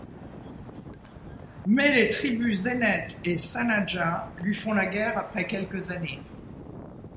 Mais, les tribus Zénètes et Sanhadja lui font la guerre après quelques années.